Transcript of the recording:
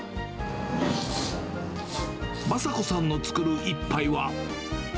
マサ子さんの作る一杯は。